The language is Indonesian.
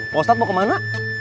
pak ustadz mau kemana